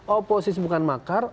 oposisi bukan makar